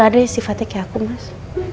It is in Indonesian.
ada yang sifatnya kayak aku mas